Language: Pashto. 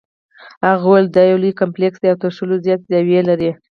هغه وویل دا یو لوی کمپلیکس دی او تر شلو زیاتې زاویې لري.